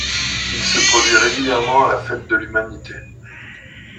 Il se produit régulièrement à la fête de l'Humanité.